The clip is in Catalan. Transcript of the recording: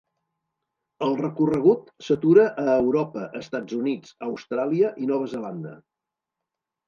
El recorregut s'atura a Europa, Estats Units, Austràlia i Nova Zelanda.